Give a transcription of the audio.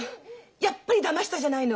やっぱりだましたじゃないの！